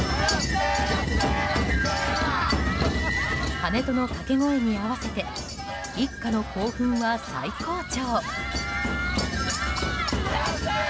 ハネトの掛け声に合わせて一家の興奮は最高潮。